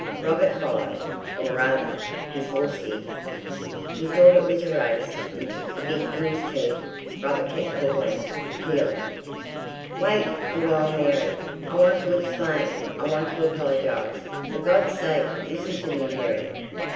Robert followed—or, rather, his horse did: he thought it was a race, and took the bit in his teeth. Robert kept calling, appealing: "Wait a while, Mary! I want to explain! I want to apologize! For God's sake listen to me, Mary!"